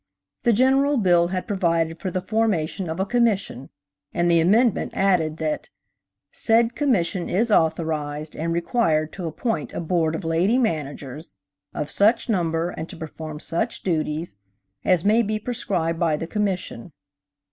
The general bill had provided for the formation of a Commission, and the amendment added that "said Commission is authorized and required to appoint a Board of Lady Managers, of such number and to perform such duties as may be prescribed by the Commission."